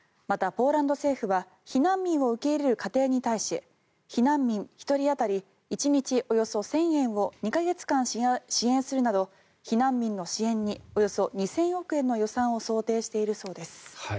また、ポーランド政府は避難民を受け入れる家庭に対し避難民１人当たり１日およそ１０００円を２か月間支援するなど避難民の支援におよそ２０００億円の予算を想定しているそうです。